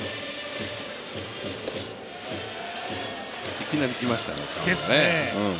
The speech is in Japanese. いきなりきましたね。